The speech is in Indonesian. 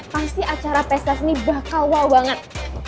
pasti acara pesta sini bakal wow banget